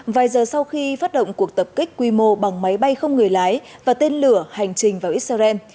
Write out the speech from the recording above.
vài giờ sau khi phát động cuộc tập kích quy mô bằng máy bay không người lái và tên lửa hành trình vào israel